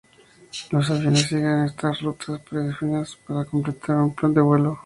Los aviones siguen estas rutas predefinidas para completar un plan de vuelo.